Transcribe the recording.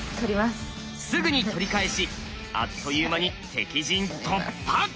すぐに取り返しあっという間に敵陣突破！